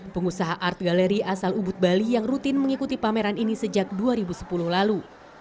pengusaha art galeri asal ubud bali yang rutin mengikuti pameran ini sejak dua ribu sepuluh lalu